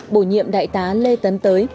bổ nhiệm đại tá lê tấn tới